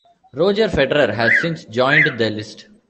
Roger Federer has since joined the list.